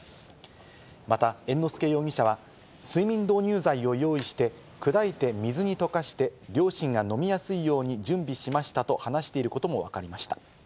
また猿之助容疑者は睡眠導入剤を用意して砕いて水に溶かして、両親が飲みやすいように準備しましたと話していることもわかりました。